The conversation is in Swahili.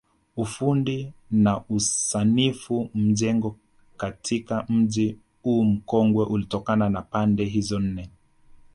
Ufundi na usanifu majengo katika mji huu mkongwe ulitokana na pande hizo nne